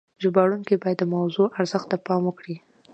ژباړونکي باید د موضوع ارزښت ته پام وکړي.